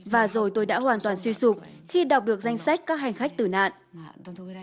và rồi tôi đã hoàn toàn suy sụp khi đọc được danh sách các hành khách tử nạn